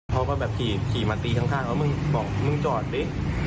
เขาก็แบบขี่มาตีข้างเขาบอกมึงจอดดิ